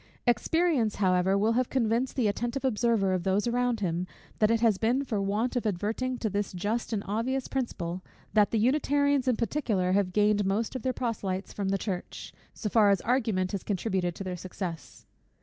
Experience, however, will have convinced the attentive observer of those around him, that it has been for want of adverting to this just and obvious principle, that the Unitarians in particular have gained most of their proselytes from the Church, so far as argument has contributed to their success.